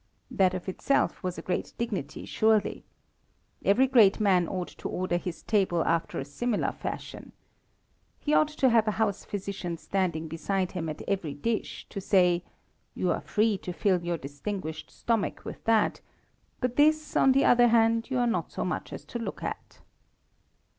That of itself was a great dignity, surely! Every great man ought to order his table after a similar fashion. He ought to have a house physician standing beside him at every dish, to say: "You are free to fill your distinguished stomach with that; but this, on the other hand, you are not so much as to look at."